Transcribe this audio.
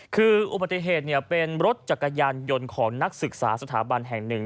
คืออุบัติเหตุเป็นรถจักรยานยนต์ของนักศึกษาสถาบันแห่งหนึ่ง